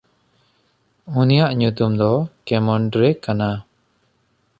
ᱩᱱᱤᱭᱟᱜ ᱧᱩᱛᱩᱢ ᱫᱚ ᱠᱮᱢᱚᱱᱰᱨᱮ ᱠᱟᱱᱟ᱾